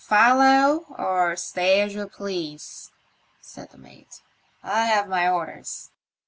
"Follow or stay as you please," said the mate; "I have my orders."